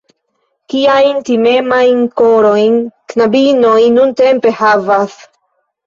Kiajn timemajn korojn knabinoj nuntempe havas!